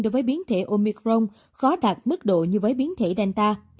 đối với biến thể omicron khó đạt mức độ như với biến thể danta